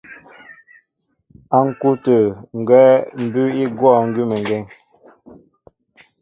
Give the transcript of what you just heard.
Á ŋ̀kú' tə̂ gwɛ́ mbʉ́ʉ́ í gwɔ̂ gʉ́meŋgeŋ.